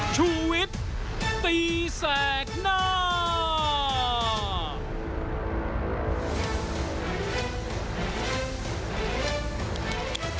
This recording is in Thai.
ชุวิตตีแสงหน้า